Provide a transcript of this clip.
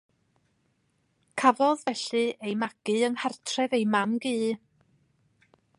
Cafodd, felly, ei magu yng nghartref ei mam-gu.